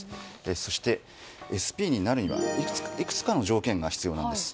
そして、ＳＰになるにはいくつかの条件が必要なんです。